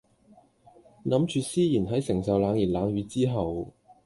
諗住思賢喺承受冷言冷語之後